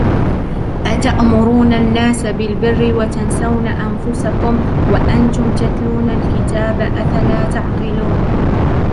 أَتَأْمُرُونَ النَّاسَ بِالْبِرِّ وَتَنْسَوْنَ أَنْفُسَكُمْ وَأَنْتُمْ تَتْلُونَ الْكِتَابَ أَفَلَا تَعْقِلُونَ